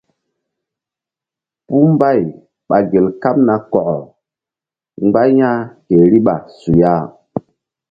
Puh mbay ɓa gel kaɓ na kɔkɔ mgba ya̧h ke riɓa suya.